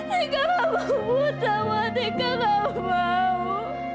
tika nggak mau buta ma tika nggak mau